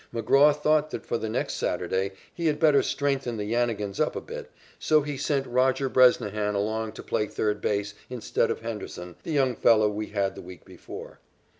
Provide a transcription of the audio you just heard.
McGraw thought that for the next Saturday he had better strengthen the Yannigans up a bit, so he sent Roger Bresnahan along to play third base instead of Henderson, the young fellow we had the week before.